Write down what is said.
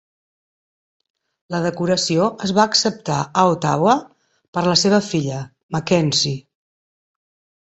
La decoració es va acceptar a Ottawa per la seva filla, Mackenzie.